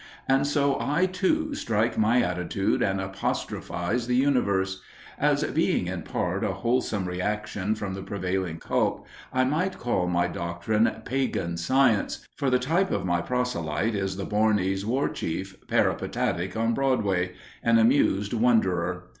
And so I, too, strike my attitude and apostrophize the Universe. As being, in part, a wholesome reaction from the prevailing cult, I might call my doctrine Pagan Science, for the type of my proselyte is the Bornese war chief peripatetic on Broadway the amused wonderer.